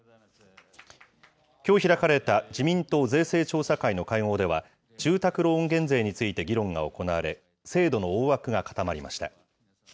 きょう開かれた自民党税制調査会の会合では、住宅ローン減税について議論が行われ、制度の大枠が固まりました。